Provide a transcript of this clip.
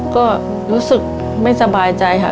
ก็รู้สึกไม่สบายใจค่ะ